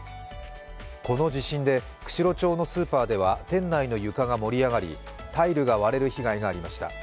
この地震で釧路町のスーパーでは店内の床が盛り上がり、タイルが割れる被害がありました。